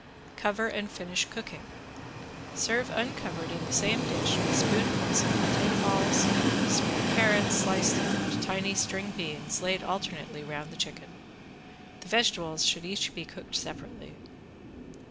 Cover and finish cooking. Serve uncovered in the same dish with spoonfuls of potato balls, small carrots sliced and tiny string beans laid alternately round the chicken. The vegetables should each be cooked separately.